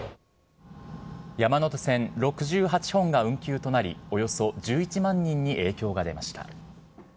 山手線６８本が運休となり、およそ１１万人に影響が出ました。